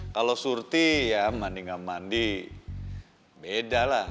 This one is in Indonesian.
kalau surti ya mandi nggak mandi beda lah